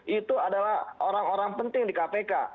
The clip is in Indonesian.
itu adalah orang orang penting di kpk